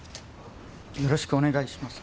よろしくお願いします。